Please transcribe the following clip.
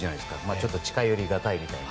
ちょっと近寄りがたいみたいな。